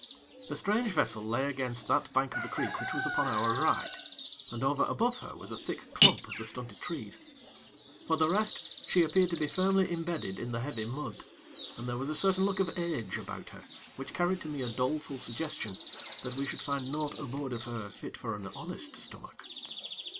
The strange vessel lay against that bank of the creek which was upon our right, and over above her was a thick clump of the stunted trees. For the rest, she appeared to be firmly imbedded in the heavy mud, and there was a certain look of age about her which carried to me a doleful suggestion that we should find naught aboard of her fit for an honest stomach.